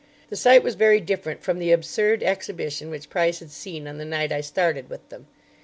The sight was very different from the absurd exhibition which Price had seen on the night I started with them.